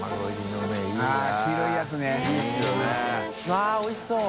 わっおいしそう！